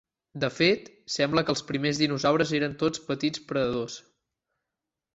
De fet, sembla que els primers dinosaures eren tots petits predadors.